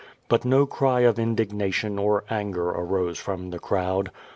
But no cry of indignation or anger arose from the crowd.